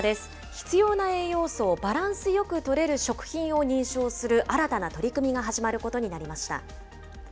必要な栄養素をバランスよくとれる食品を認証する新たな取り組みが始まることになりました。